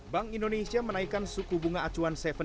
bank indonesia menaikkan suku bunga acuan